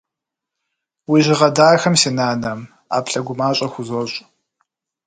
Уи жьыгъэ дахэм, си нанэ, ӏэплӏэ гумащӏэ хузощӏ.